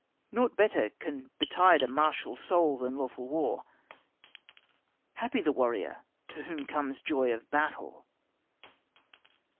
Nought better can betide a martial soul Than lawful war. Happy the warrior To whom comes joy of battle....